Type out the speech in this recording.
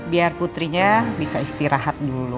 biar putrinya bisa istirahat dulu